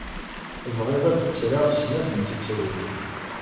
Bɣiɣ ad d-ttreɣ snat n tuttriwin.